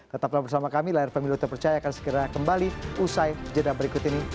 tetaplah bersama kami layar pemilu terpercaya akan segera kembali usai jeda berikut ini